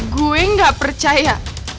gue gak percaya